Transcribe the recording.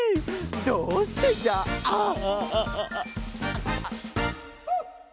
どうしてじゃああああ。